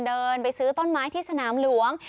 เดินไปซื้อต้นไม้ที่สนามหลวง